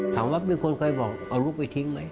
ถามว่ามีคนเคยบอกเอาลูกไปทิ้งไหม